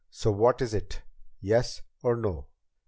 So what is it? Yes or no?"